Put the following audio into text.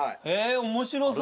面白そう。